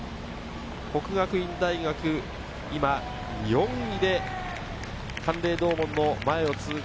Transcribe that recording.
國學院大學、今４位で函嶺洞門の前を通過。